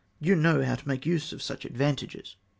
You know how to make use of such advantages."